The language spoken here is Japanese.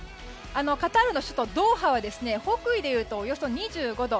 カタールの首都ドーハは北緯でいうとおよそ２５度。